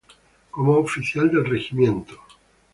Como oficial del regimiento nro.